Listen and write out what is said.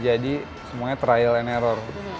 jadi semuanya trial and error